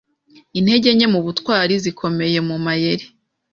Intege nke mu butwari zikomeye mu mayeri